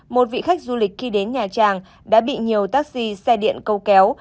một vị khách du lịch khi đến nhà trang đã bị nhiều taxi xe điện câu kéo